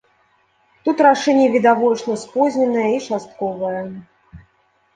Тут рашэнне відавочна спозненае і частковае.